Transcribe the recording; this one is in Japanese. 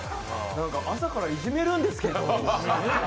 朝からいじめるんですけど。